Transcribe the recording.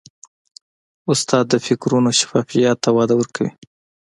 استاد د فکرونو شفافیت ته وده ورکوي.